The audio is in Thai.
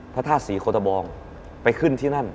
พระธาตุศรีโคตะบองไปขึ้นที่นั่น